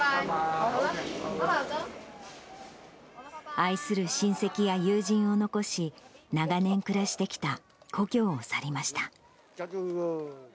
愛する親戚や友人を残し、長年暮らしてきた故郷を去りました。